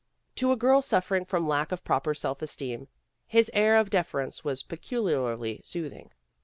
To a girl suffering from lack of proper self esteem, his air of deference was peculiarly soothing.